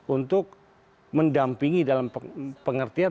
untuk mendampingi dalam pengertian